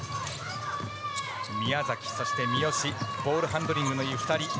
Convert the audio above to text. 宮崎、そして三好ボールハンドリングのいい２人。